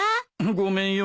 ごめんよ。